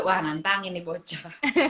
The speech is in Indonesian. wah nantang ini bocah